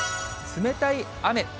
冷たい雨。